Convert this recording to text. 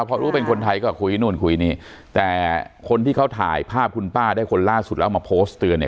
พอรู้เป็นคนไทยก็คุยนู่นคุยนี่แต่คนที่เขาถ่ายภาพคุณป้าได้คนล่าสุดแล้วเอามาโพสต์เตือนเนี่ย